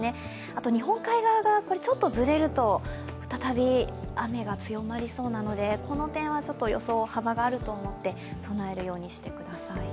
あと日本海側がちょっとずれると再び雨が強まりそうなのでこの点は予想に幅があると思って備えるようにしてください。